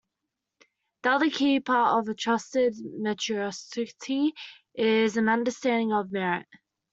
The other key part of a trusted meritocracy is an understanding of merit.